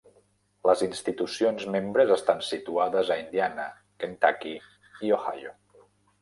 Les institucions membres estan situades a Indiana, Kentucky i Ohio.